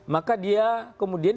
maka dia kemudian